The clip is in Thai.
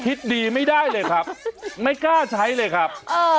คิดดีไม่ได้เลยครับไม่กล้าใช้เลยครับ